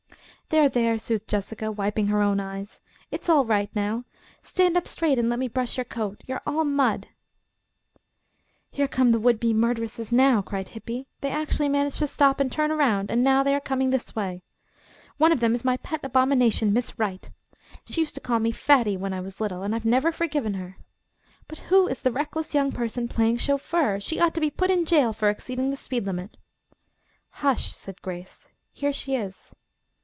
"There, there," soothed Jessica, wiping her own eyes. "It's all right now. Stand up straight and let me brush your coat. You are all mud." "Here come the would be murderesses now," cried Hippy. "They actually managed to stop and turn around, and now they are coming this way. One of them is my pet abomination Miss Wright. She used to call me 'fatty' when I was little, and I've never forgiven her. But who is the reckless young person playing chauffeur? She ought to be put in jail for exceeding the speed limit." "Hush!" said Grace. "Here she is."